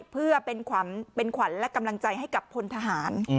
เพื่อเป็นขวัญกำลังใจให้ผลฐาน